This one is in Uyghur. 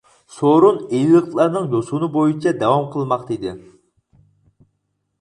سورۇن ئىلىلىقلارنىڭ يوسۇنى بويىچە داۋام قىلماقتا ئىدى.